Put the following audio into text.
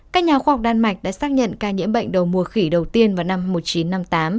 các nhà khoa học đan mạch đã xác nhận ca nhiễm bệnh đầu mùa khỉ đầu tiên vào năm một nghìn chín trăm năm mươi tám